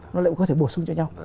nó lại có thể bổ sung cho nhau